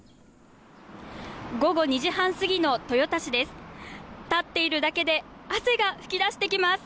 午後２時半過ぎの豊田市です。